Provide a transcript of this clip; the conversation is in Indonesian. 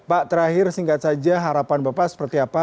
pak terakhir singkat saja harapan bapak seperti apa